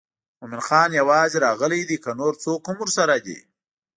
مومن خان یوازې راغلی دی که نور څوک ورسره دي.